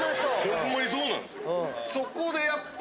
ほんまにそうなんですよ。